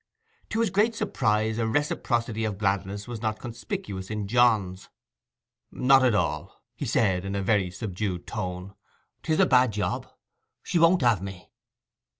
To his great surprise a reciprocity of gladness was not conspicuous in Johns. 'Not at all,' he said, in a very subdued tone. ''Tis a bad job; she won't have me.